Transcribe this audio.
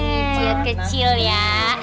kecil kecil ya